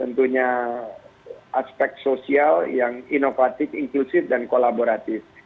tentunya aspek sosial yang inovatif inklusif dan kolaboratif